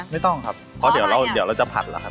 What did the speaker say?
ไม่ต้องครับเพราะเดี๋ยวเราจะผัดแล้วครับ